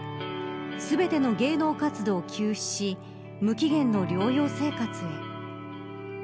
全ての芸能活動を休止し無期限の療養生活へ。